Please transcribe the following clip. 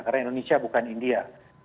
karena indonesia bukan india